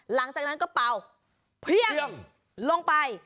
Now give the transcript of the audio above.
หลังจากนั้นก็เป่าเพี้ยงลงไป